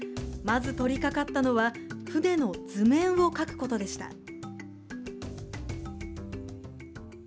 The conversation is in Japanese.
まず取り掛かったのは船の図面を書くことでした。